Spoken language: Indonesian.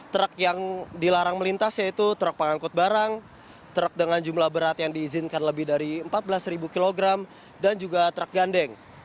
truk yang dilarang melintas yaitu truk pengangkut barang truk dengan jumlah berat yang diizinkan lebih dari empat belas kg dan juga truk gandeng